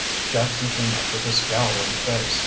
Jackson came up with a scowling face.